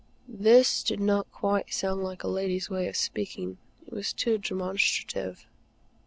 This did not sound quite like a lady's way of speaking. It was too demonstrative.